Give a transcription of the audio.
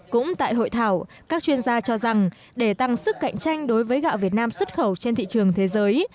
cũng tại hội thảo các chuyên gia cho rằng để tăng sức cạnh tranh đối với gạo việt nam xuất khẩu trên thị trường thế giới